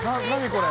これ。